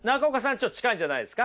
ちょっと近いんじゃないですか？